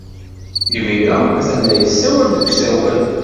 Imir-a, atan la yessawal deg usawal.